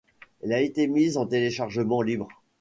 Elle a été mise en téléchargement libre.